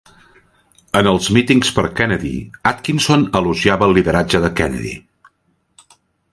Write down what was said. En els mítings per Kennedy, Atkinson elogiava el lideratge de Kennedy.